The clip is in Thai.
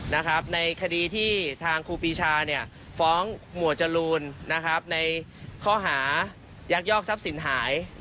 ในคดีที่ทางครูปีชาฟ้องหมวดจรูนในข้อหายักยอกทรัพย์สินหาย